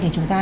thì chúng ta